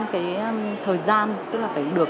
cái thời gian tức là phải được